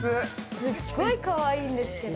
◆すっごいかわいいんですけど。